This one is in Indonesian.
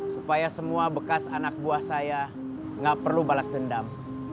supaya semua bekas anak buah saya nggak perlu balas dendam